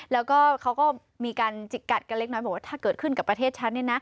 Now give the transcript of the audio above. แล้วก็เขาก็มีการจิกกัดกันเล็กน้อยบอกว่าถ้าเกิดขึ้นกับประเทศฉัน